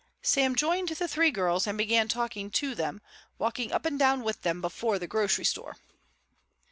Sam joined the three girls, and began talking to them, walking up and down with them before the grocery store.